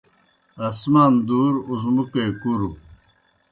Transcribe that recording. آسمان دُور، اُزمُکے کُروْ